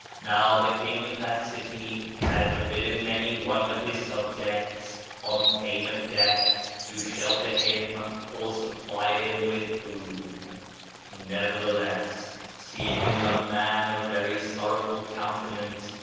Now, tlie king of that city had forbidden any one of his subjects, on pain of death, to shelter Him or supply Him with food ; neverthe less, seeing a young man of very sorrowful countenance.